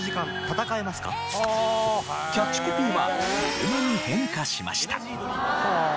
キャッチコピーは微妙に変化しました。